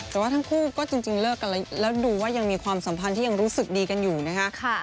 แต่ว่าทั้งคู่ก็จริงเลิกกันแล้วดูว่ายังมีความสัมพันธ์ที่ยังรู้สึกดีกันอยู่นะคะ